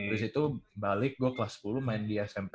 abis itu balik gue kelas sepuluh main di smp